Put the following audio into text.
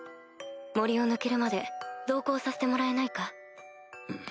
森を抜けるまで同行させてもらえないか？